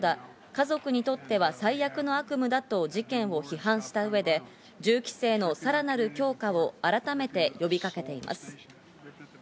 家族にとっては最悪の悪夢だと、事件を批判した上で銃規制のさらなる強化を改めて呼びかけています。